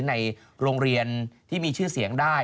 ในโรงเรียนที่มีชื่อเสียงได้